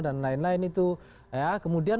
dan lain lain itu kemudian